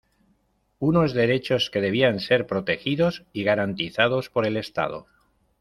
Unos derechos que debían ser protegidos y garantizados por el Estado.